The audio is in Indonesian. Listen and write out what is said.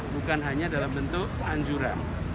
bukan hanya dalam bentuk anjuran